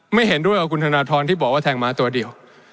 ไม่เห็นด้วยกับคุณธนทรที่บอกว่าแทงหมาตัวเดียว